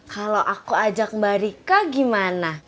kalau aku ajak mbak rika gimana